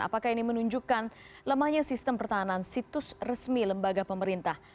apakah ini menunjukkan lemahnya sistem pertahanan situs resmi lembaga pemerintah